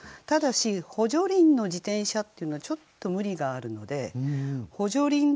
ただし「補助輪の自転車」っていうのはちょっと無理があるので「補助輪